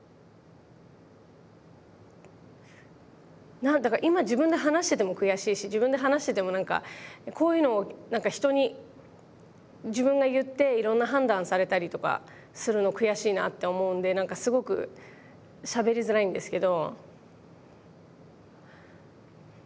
何だか今自分で話してても悔しいし自分で話しててもなんかこういうの人に自分が言っていろんな判断されたりとかするの悔しいなって思うんでなんかすごくしゃべりづらいんですけど。